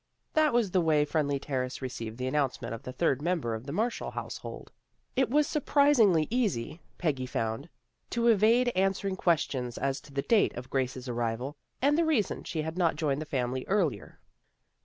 " That was the way Friendly Terrace received the announcement of the third member of the Marshall household. It was surprisingly easy, Peggy found, to evade answering questions as to the date of Grace's arrival, and the reason she had not joined the family earlier.